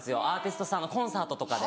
アーティストさんのコンサートで。